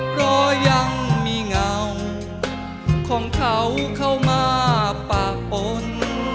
เพราะยังมีเงาของเขาเข้ามาปากปน